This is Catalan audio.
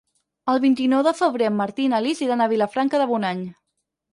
El vint-i-nou de febrer en Martí i na Lis iran a Vilafranca de Bonany.